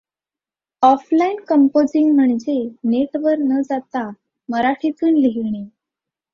Offline composing म्हणजे नेटवर न जाता मराठीतून लिहिणे.